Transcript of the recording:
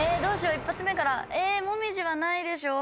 一発目からえモミジはないでしょう？